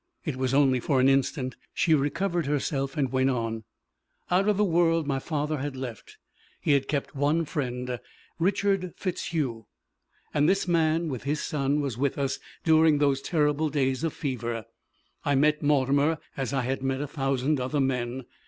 It was only for an instant. She recovered herself, and went on: "Out of the world my father had left he had kept one friend Richard FitzHugh; and this man, with his son, was with us during those terrible days of fever. I met Mortimer as I had met a thousand other men.